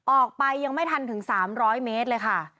ออกไปยังไม่ทันถึง๓๐๐เมตรเลยค่ะ